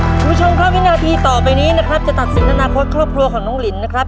คุณผู้ชมครับวินาทีต่อไปนี้นะครับจะตัดสินอนาคตครอบครัวของน้องลินนะครับ